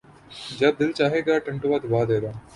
جب دل چاھے گا ، ٹنٹوا دبا دے گا